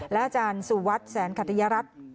และอาจารย์สู่วัฒน์แสนขัตตยรัตน์